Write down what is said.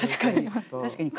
確かに。